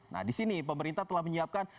nah di sini pemerintah telah menyiapkan